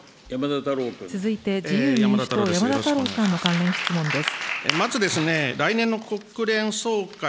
続いて自由民主党、山田太郎さんの関連質問です。